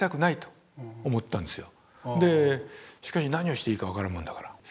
しかし何をしていいか分からんもんだから。